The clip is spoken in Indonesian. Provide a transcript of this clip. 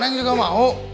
neng juga mau